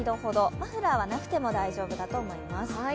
マフラーはなくても大丈夫だと思います。